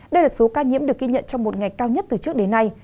đây là số ca nhiễm được ghi nhận trong một ngày cao nhất từ trước đến nay